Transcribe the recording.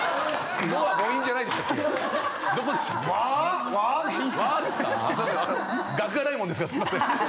すいません。